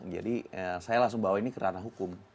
jadi saya langsung bawa ini ke ranah hukum